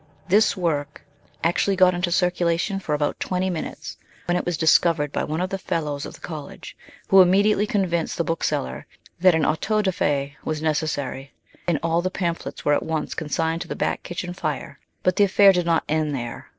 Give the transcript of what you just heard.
This work actually got into circulation for about twenty minutes, when it was discovered by one of the Fellows of the College, who immediately convinced the booksellers that an auto da fe was necessary, and all the pamphlets were at otice consigned to the back kitchen h're ; but the affair did not end there.